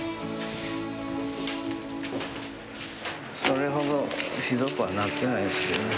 それほどひどくはなってないですけどね。